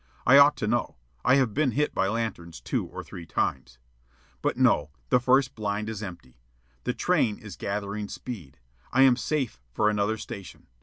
I ought to know. I have been hit by lanterns two or three times. But no, the first blind is empty. The train is gathering speed. I am safe for another station.